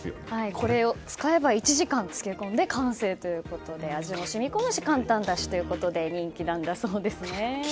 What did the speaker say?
これを使えば１時間漬け込んで完成ということで味も染み込むし簡単だしということで人気なんだそうです。